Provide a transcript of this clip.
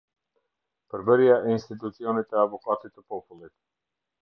Përbërja e Institucionit të Avokatit të Popullit.